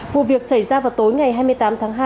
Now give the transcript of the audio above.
vụ việc xảy ra vào tối ngày hai mươi tám tháng hai